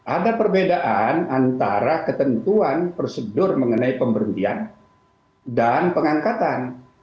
ada perbedaan antara ketentuan prosedur mengenai pemberhentian dan pengangkatan